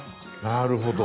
なるほど。